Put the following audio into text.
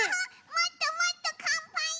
もっともっとかんぱいしたい！